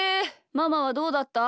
ママはどうだった？